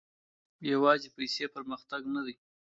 يوازي پيسې پرمختګ نه دی.